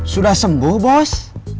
sudah sengguh bos